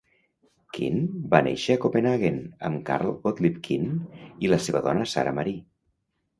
Kyhn va néixer a Copenhaguen amb Carl Gottlieb Kyhn i la seva dona Sara Marie.